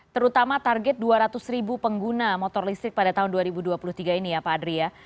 terutama target dua ratus ribu pengguna motor listrik pada tahun dua ribu dua puluh tiga ini ya pak adri ya